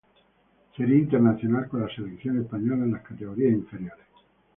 Sería internacional con la selección española en las categorías inferiores.